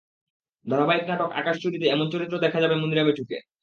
ধারাবাহিক নাটক আকাশ চুরি -তে এমন চরিত্রে দেখা যাবে মুনিরা মিঠুকে।